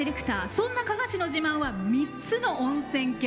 そんな加賀市の自慢は３つの温泉郷。